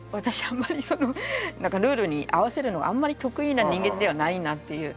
あんまりそのなんかルールに合わせるのがあんまり得意な人間ではないなっていう。